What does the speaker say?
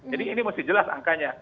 jadi ini mesti jelas angkanya